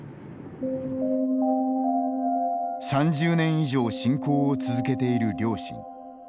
３０年以上信仰を続けている両親。